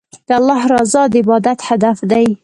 د الله رضا د عبادت هدف دی.